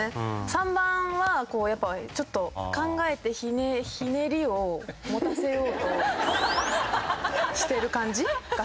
３番はちょっと考えてひねりを持たせようとしてる感じがする。